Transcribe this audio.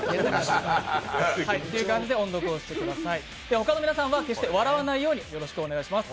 他の皆さんは決して笑わないようにお願いします。